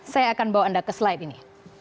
saya akan bawa anda ke slide ini